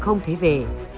không thấy về